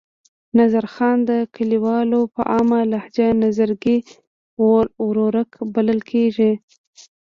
نظرخان د کلیوالو په عامه لهجه نظرګي ورورک بلل کېږي.